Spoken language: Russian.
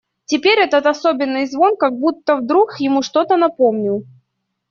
Теперь этот особенный звон как будто вдруг ему что-то напомнил.